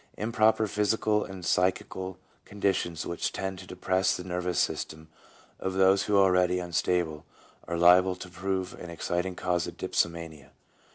Improper physical and psychical conditions which tend to depress the nervous systems of those who are already unstable are liable to prove an exciting cause of dipsomania.